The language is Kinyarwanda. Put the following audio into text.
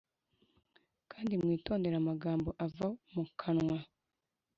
Kandi mwitondere amagambo ava mu kanwa